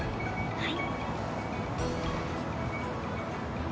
はい。